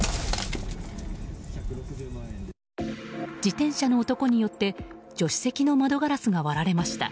自転車の男によって助手席の窓ガラスが割られました。